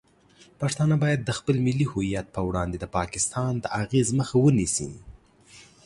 پښتانه باید د خپل ملي هویت په وړاندې د پاکستان د اغیز مخه ونیسي.